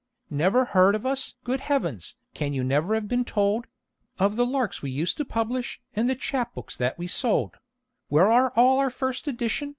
"Never heard of us? Good heavens, can you never have been told Of the Larks we used to publish, and the Chap Books that we sold? Where are all our first edition?"